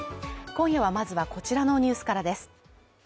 今夜はまずは、こちらのニュースからです。